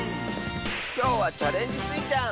きょうは「チャレンジスイちゃん」！